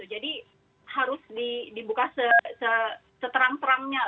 jadi harus dibuka seterangnya